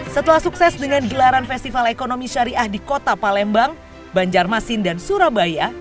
setelah sukses dengan gelaran festival ekonomi syariah di kota palembang banjarmasin dan surabaya